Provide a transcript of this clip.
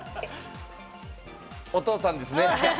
お父さんですね。